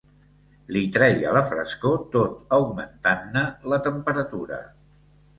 Li treia la frescor tot augmentant-ne la temperatura.